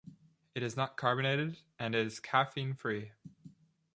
It is not carbonated, and is caffeine-free.